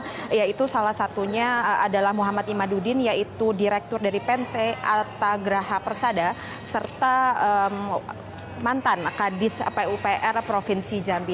di depan majelis sidang yaitu salah satunya adalah muhammad imaduddin yaitu direktur dari pente altagraha persada serta mantan kadis pupr provinsi jambi